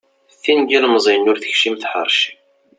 Tin n yilmeẓyen ur tekcim tḥerci.